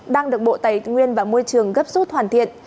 đang được bộ tài nguyên và môi trường gấp rút hoàn thiện